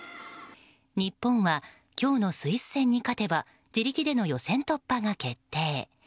日本は今日のスイス戦に勝てば自力での予選突破が決定。